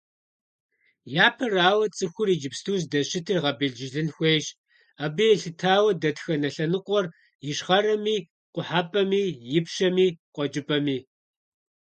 Япэрауэ, цӀыхур иджыпсту здэщытыр гъэбелджылын хуейщ, абы елъытауэ дэтхэнэ лъэныкъуэр ищхъэрэми, къухьэпӀэми, ипщэми, къуэкӀыпӀэми.